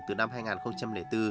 từ năm hai nghìn bốn